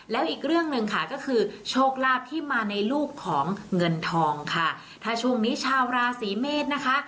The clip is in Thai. แล้วอีกเรื่องหนึ่งค่ะก็คือโชคลาภที่มาในลูกของเงินทองค่ะถ้าช่วงนี้ชาวราศีเมษนะคะ